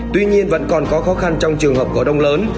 tuy nhiên vẫn còn có khó khăn trong trường hợp cổ đông lớn